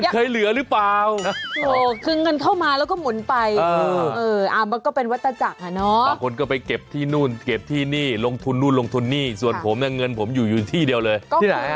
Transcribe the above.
ใช่ค่ะจันถึงสุกนะ